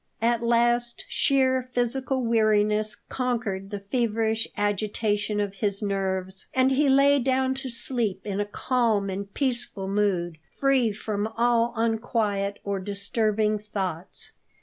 At last sheer physical weariness conquered the feverish agitation of his nerves, and he lay down to sleep in a calm and peaceful mood, free from all unquiet or disturbing thoughts.